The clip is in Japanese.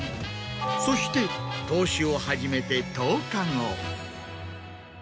そして投資を始めて１０日後。